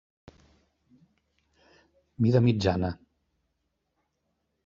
Mida mitjana.